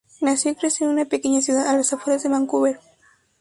Nació y creció en una pequeña ciudad a las afueras de Vancouver.